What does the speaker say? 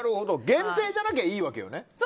限定じゃなきゃいいわけよね。